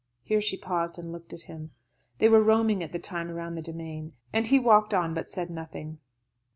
Here she paused and looked at him. They were roaming at the time round the demesne, and he walked on, but said nothing.